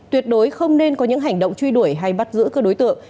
tuyệt đối không nên có những hành động truy đuổi hay bắt giữ cơ đối tượng